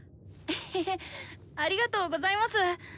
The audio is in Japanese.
えへへありがとうございます！